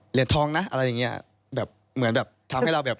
เหรียญทองนะอะไรอย่างเงี้ยแบบเหมือนแบบทำให้เราแบบ